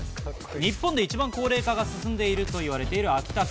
日本で一番高齢化が進んでいると言われている秋田県。